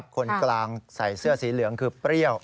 คนกลางใส่เสื้อสีเหลืองคือเปรี้ยว